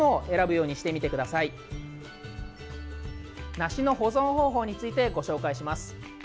梨の保存方法についてご紹介します。